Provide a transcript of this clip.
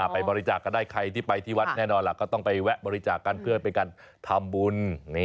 ไปบริจาคกันได้ใครที่ไปที่วัดแน่นอนล่ะก็ต้องไปแวะบริจาคกันเพื่อเป็นการทำบุญ